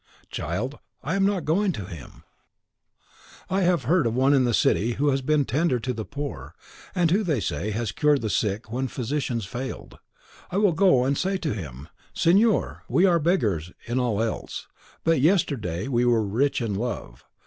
"Child, I am not going to him. I have heard of one in the city who has been tender to the poor, and who, they say, has cured the sick when physicians failed. I will go and say to him, 'Signor, we are beggars in all else, but yesterday we were rich in love.